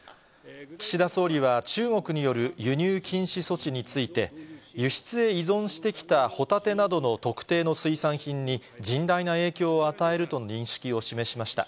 岸田総理は、中国による輸入禁止措置について、輸出へ依存してきたホタテなどの特定の水産品に、甚大な影響を与えると認識を示しました。